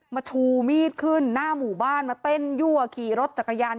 ชูมีดขึ้นหน้าหมู่บ้านมาเต้นยั่วขี่รถจักรยาน